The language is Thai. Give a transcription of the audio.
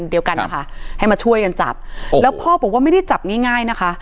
เดียวกันนะคะให้มาช่วยกันจับแล้วพ่อบอกว่าไม่ได้จับง่ายง่ายนะคะ